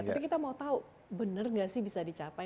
tapi kita mau tahu benar nggak sih bisa dicapai